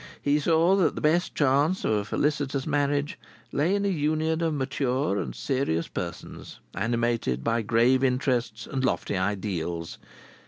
He saw that the best chance of a felicitous marriage lay in a union of mature and serious persons, animated by grave interests and lofty ideals.